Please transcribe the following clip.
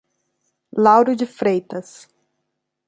Lauro de Freitas